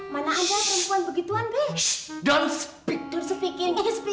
mana ada perempuan begituan be